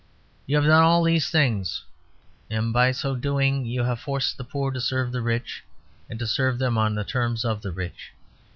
You have done all these things, and by so doing you have forced the poor to serve the rich, and to serve them on the terms of the rich.